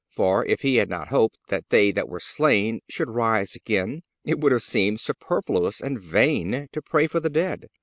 For, if he had not hoped that they that were slain should rise again, it would have seemed superfluous and vain to pray for the dead....